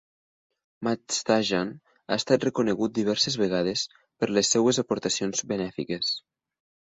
Matt Stajan ha estat reconegut diverses vegades per les seves aportacions benèfiques.